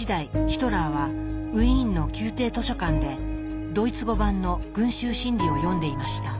ヒトラーはウィーンの宮廷図書館でドイツ語版の「群衆心理」を読んでいました。